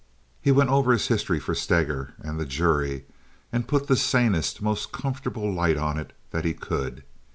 He went over his history for Steger and the jury, and put the sanest, most comfortable light on it that he could.